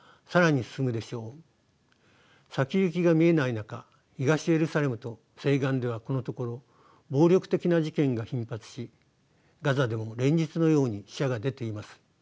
先行きが見えない中東エルサレムと西岸ではこのところ暴力的な事件が頻発しガザでも連日のように死者が出ています。